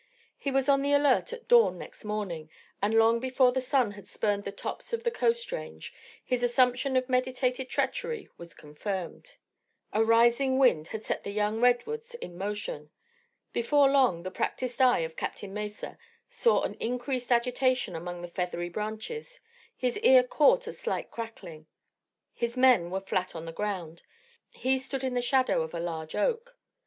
He was on the alert at dawn next morning, and long before the sun had spurned the tops of the Coast range, his assumption of meditated treachery was confirmed. A rising wind had set the young redwoods in motion. Before long the practised eye of Captain Mesa saw an increased agitation among the feathery branches, his ear caught a slight crackling. His men were flat on the ground. He stood in the shadow of a large oak.